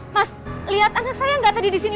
mas lihat anak saya gak tadi disini